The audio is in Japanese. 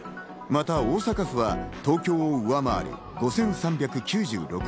また大阪府は東京を上回る５３９６人。